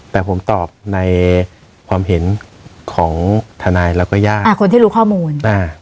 แต่ผมตอบในความเห็นของทนายและก็ยากคนที่รู้ข้อมูล